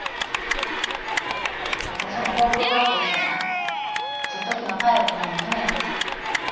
私も航空学校行ってなジェット機のパイロットなんの夢やってん。